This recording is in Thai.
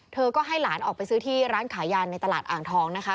เธอก็ให้หลานออกไปซื้อที่ร้านขายยานในตลาดอ่างทองนะคะ